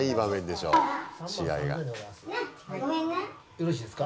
よろしいですか？